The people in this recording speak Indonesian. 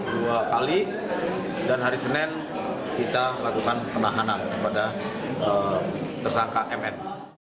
dua kali dan hari senin kita lakukan penahanan kepada tersangka mn